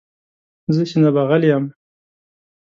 زه سینه بغل یم.